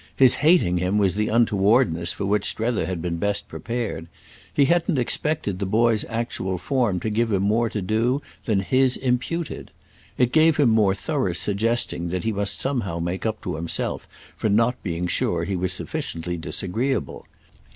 His hating him was the untowardness for which Strether had been best prepared; he hadn't expected the boy's actual form to give him more to do than his imputed. It gave him more through suggesting that he must somehow make up to himself for not being sure he was sufficiently disagreeable.